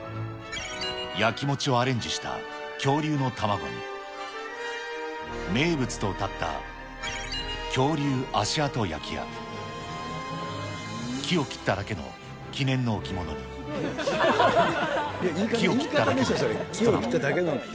焼き餅をアレンジした恐竜の卵に、名物とうたった恐竜足跡焼や木を切っただけの記念の置物に、木を切っただけのストラップ。